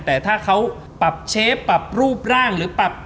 แต่ถ้าเขาปรับเชฟปรับรูปร่างหรือปรับ